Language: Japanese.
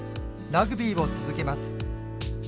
ラグビーを続けます。